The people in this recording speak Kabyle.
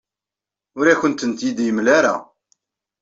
Ur akent-ten-id-yemla ara.